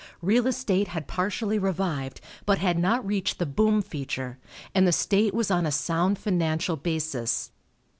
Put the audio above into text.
Real estate had partially revived, but had not reached the boom feature, and the state was on a sound financial basis.